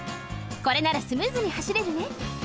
これならスムーズにはしれるね。